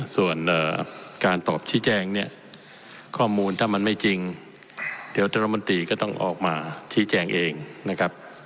ส่วนการตอบชี้แจงเนี่ยข้อมูลถ้ามันไม่จริงเดี๋ยวท่านรัฐมนตรีก็ต้องออกมาชี้แจงเองนะครับ